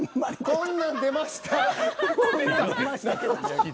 「こんなん出ました」って。